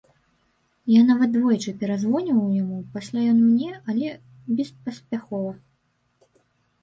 Я нават двойчы перазвоньваў яму, пасля ён мне, але беспаспяхова.